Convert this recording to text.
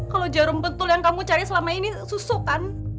kalau jarum petul yang kamu cari selama ini susu kan